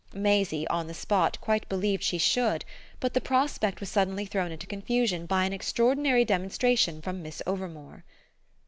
Maisie, on the spot, quite believed she should; but the prospect was suddenly thrown into confusion by an extraordinary demonstration from Miss Overmore.